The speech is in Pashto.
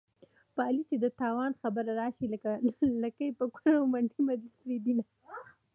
په علي چې د تاوان خبره راشي، لکۍ په کونه ومنډي، مجلس پرېږدي.